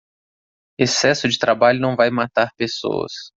Excesso de trabalho não vai matar pessoas